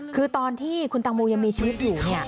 คือตอนที่คุณตังโมยังมีชีวิตอยู่